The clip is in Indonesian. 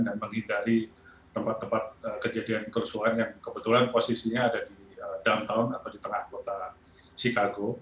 dan menghindari tempat tempat kejadian kerusuhan yang kebetulan posisinya ada di downtown atau di tengah kota chicago